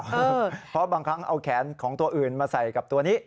เพราะบางครั้งเอาแขนของตัวอื่นมาใส่กับตัวนี้